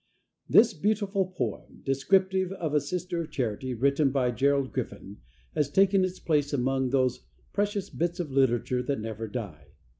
This beautiful poem, descriptive of a Sister of Charity, written by Gerald Griffin, has taken its place among those precious bits of literature that never die.